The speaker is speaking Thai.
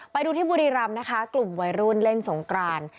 ไปดูที่บุรีรำนะคะกลุ่มวัยรุ่นเล่นสงกราน